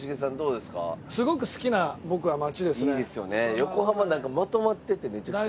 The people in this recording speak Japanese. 横浜なんかまとまっててめちゃくちゃいい。